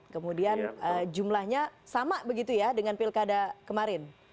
kemudian jumlahnya sama begitu ya dengan pilkada kemarin